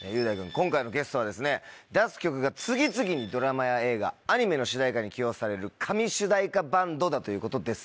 今回のゲストはですね出す曲が次々にドラマや映画アニメの主題歌に起用される神主題歌バンドだということですが。